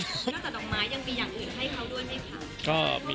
นอกจากดอกไม้ยังมีอย่างอื่นให้เขาด้วยไหมคะ